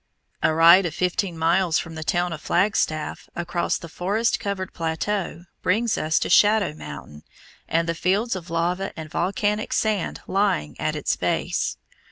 A ride of fifteen miles from the town of Flagstaff, across the forest covered plateau, brings us to Shadow Mountain and the fields of lava and volcanic sand lying at its base.